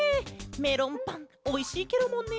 メロンパンおいしいケロもんね！